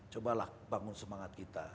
cobalah bangun semangat kita